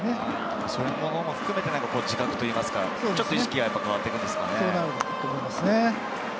そういうものも含めて、自覚とかちょっと意識が変わってくるんでしょうね。